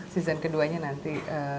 season keduanya nanti